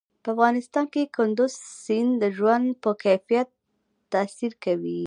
په افغانستان کې کندز سیند د ژوند په کیفیت تاثیر کوي.